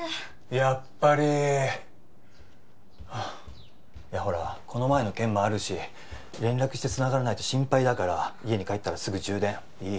やっぱりはあいやほらこの前の件もあるし連絡してつながらないと心配だから家に帰ったらすぐ充電いい？